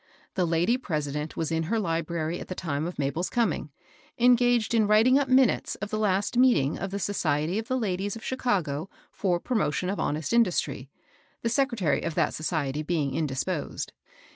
The lady president was in her library at the time of Mabel's connng, engaged in writing up minutes of the last meeting of the ^^ Society of ike Ladies q£ Chicago for Prom^^cm of Honest Lidustry," the secretary of that society being indisposed.